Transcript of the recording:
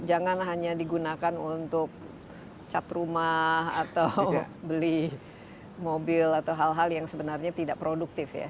jangan hanya digunakan untuk cat rumah atau beli mobil atau hal hal yang sebenarnya tidak produktif ya